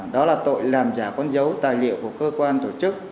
đó là tội làm giả con dấu tài liệu của cơ quan tổ chức